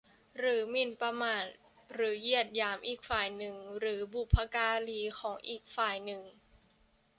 หรือหมิ่นประมาทหรือเหยียดหยามอีกฝ่ายหนึ่งหรือบุพการีของอีกฝ่ายหนึ่ง